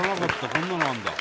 こんなのあるんだ。